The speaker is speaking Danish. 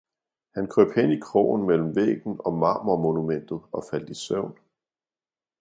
han krøb hen i krogen mellem væggen og marmormonumentet og faldt i søvn.